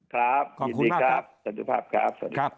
สวัสดีครึงค่ะสวัสดีครับ